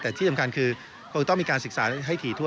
แต่ที่สำคัญคือคงจะต้องมีการศึกษาให้ถี่ทั่ว